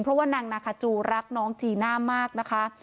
เพราะว่านางนาคาจูรักน้องจีน่ามากนะคะ